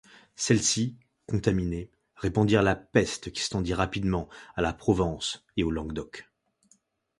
Celles-ci, contaminées, répandirent la peste qui s'étendit rapidement à la Provence et au Languedoc.